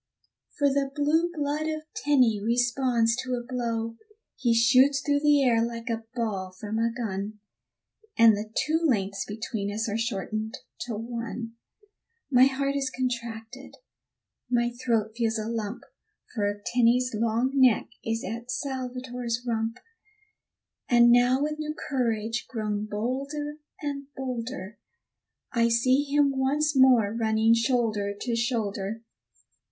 For the blue blood of Tenny responds to a blow. He shoots through the air like a ball from a gun, And the two lengths between us are shortened to one, My heart is contracted, my throat feels a lump, For Tenny's long neck is at Salvator's rump; And now with new courage grown bolder and bolder, I see him, once more running shoulder to shoulder.